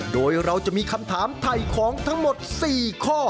โดยเราจะมีคำถามไถ่ของทั้งหมด๔ข้อ